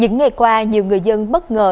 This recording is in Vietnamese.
những ngày qua nhiều người dân bất ngờ